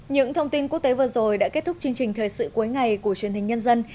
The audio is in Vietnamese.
những thông tin quốc tế vừa rồi đã kết thúc chương trình thời sự cuối ngày của truyền hình nhân dân